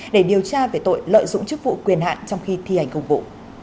để điều tra về tội lợi dụng chức vụ quyền hạn trong khi thi hành công vụ